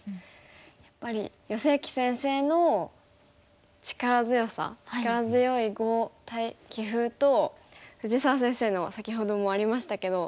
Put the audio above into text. やっぱり余正麒先生の力強さ力強い碁棋風と藤沢先生の先ほどもありましたけど。